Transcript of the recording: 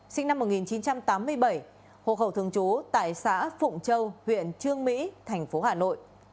sinh năm một nghìn chín trăm tám mươi bảy hồ khẩu thương chố tại xã phụng châu huyện trương mỹ thành phố hà nội